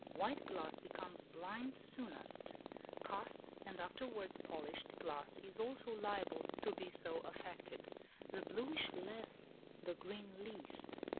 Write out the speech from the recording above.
White glass becomes "blind" soonest; cast, and afterwards polished glass is also liable to be so affected; the bluish less, the green least.